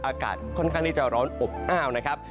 อากาศค่อนข้างที่จะร้อนอบอ้าวนะครับ